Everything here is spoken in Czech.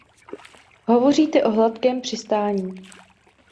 Hovoříte o hladkém přistání.